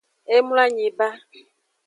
E mloanyi ba.